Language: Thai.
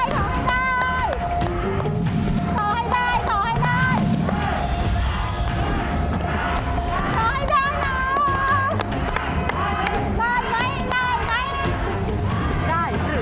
ได้หรือไม่ได้